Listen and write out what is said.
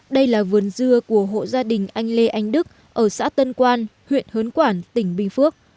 đây là vườn dưa của hộ gia đình anh lê anh đức ở xã tân quan huyện hớn quản tỉnh bình phước